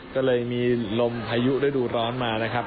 ก็เลยมีลมพายุฤดูร้อนมานะครับ